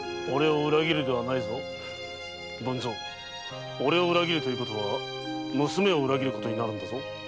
文造おれを裏切るということは娘を裏切ることになるんだぞ